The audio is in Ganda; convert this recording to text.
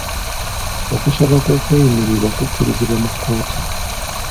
Okusaba kw'okweyimiriwa kukkirizibwa mu kkooti.